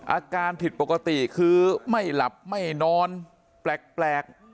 อาการผิดปกติคือไม่หลับไม่นอนแปลก